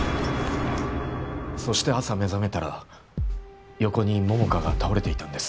そして朝目覚めたら横に桃花が倒れていたんです。